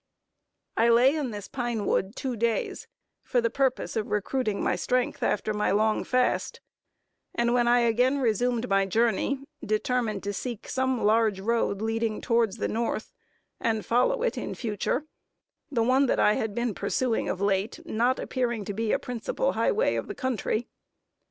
I lay in this pine wood two days, for the purpose of recruiting my strength, after my long fast; and when I again resumed my journey, determined to seek some large road leading towards the North, and follow it in future; the one that I had been pursuing of late, not appearing to be a principal high way of the country.